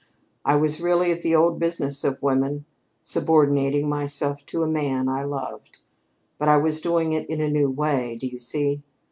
I was really at the old business of woman, subordinating myself to a man I loved. But I was doing it in a new way, do you see?